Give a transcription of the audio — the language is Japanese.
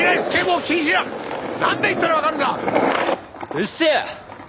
うっせえわ！